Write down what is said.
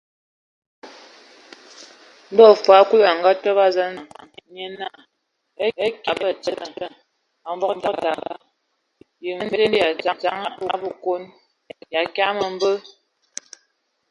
Ndo Kulu a akǝ təbǝ a zaŋ nsəŋ, nye naa: Ekye A Batsidi, a Mvog tad, yə mvende Ya zen ya a Bekon e no mǝkya məbɛ?